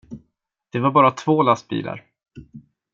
Det var bara två lastbilar.